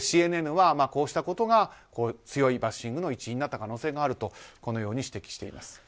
ＣＮＮはこうしたことが強いバッシングの一因になった可能性があるとこのように指摘しています。